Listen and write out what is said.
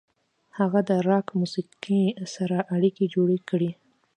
هغه د راک موسیقۍ سره اړیکې جوړې کړې.